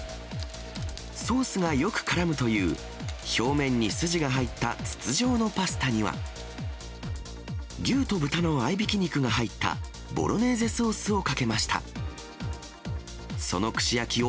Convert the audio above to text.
ソースがよくからむという表面に筋が入った筒状のパスタには、牛と豚の合いびき肉が入ったボロネーゼソースをかけました。